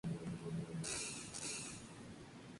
Status of the large Forest Eagles of Belize.